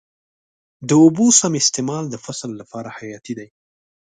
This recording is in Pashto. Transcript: د اوبو سم استعمال د فصل لپاره حیاتي دی.